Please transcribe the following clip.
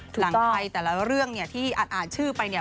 หลังใครแต่ละเรื่องที่อ่านชื่อไป